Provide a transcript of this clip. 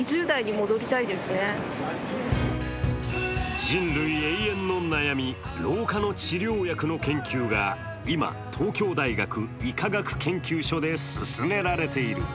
人類永遠の悩み、老化の治療薬の研究が今、東京大学医科学研究所で進められている。